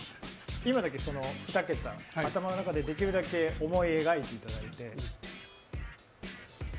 今だけ２桁、頭の中でできるだけ思い描いていただいて。